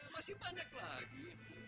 masih banyak lagi